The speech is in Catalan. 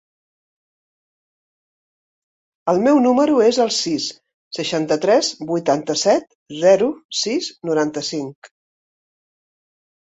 El meu número es el sis, seixanta-tres, vuitanta-set, zero, sis, noranta-cinc.